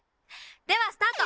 ではスタート！